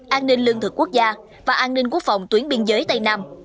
an ninh lương thực quốc gia và an ninh quốc phòng tuyến biên giới tây nam